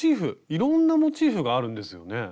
いろんなモチーフがあるんですよね。